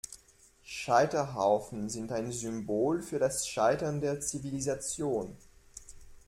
Scheiterhaufen sind ein Symbol für das Scheitern der Zivilisation.